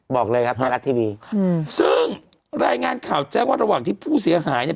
บอกเลยครับไทยรัฐทีวีอืมซึ่งรายงานข่าวแจ้งว่าระหว่างที่ผู้เสียหายเนี่ย